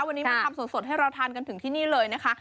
วันนี้มาทำสดให้เราทานกันถึงที่นี่เลยนะคะ